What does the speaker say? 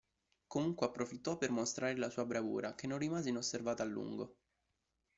Comunque approfittò per mostrare la sua bravura, che non rimase inosservata a lungo.